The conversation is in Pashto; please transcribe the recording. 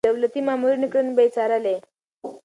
د دولتي مامورينو کړنې به يې څارلې.